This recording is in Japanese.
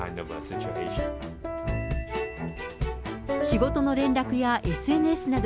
仕事の連絡やＳＮＳなど、